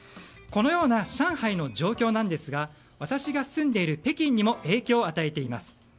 このような上海の状況なんですが私が住んでいる北京にも影響を与えています。